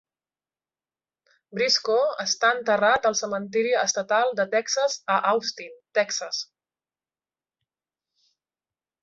Briscoe està enterra al Cementeri Estatal de Texas, a Austin, Texas.